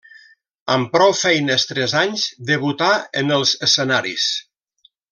Amb prou feines tres anys, debutà en els escenaris.